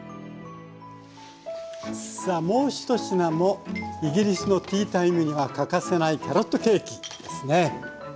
さあもう１品もイギリスのティータイムには欠かせないキャロットケーキですね。